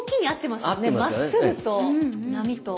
まっすぐと波と。